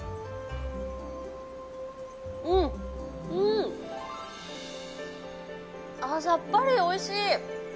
うん、うん、あっ、さっぱり、おいしい。